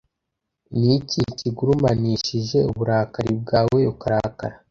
Niki kigurumanishije uburakari bwawe ukarakara